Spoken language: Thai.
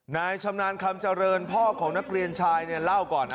นายชำนานคำแจริญพ่อของนักเรียนชายแล้วก่อน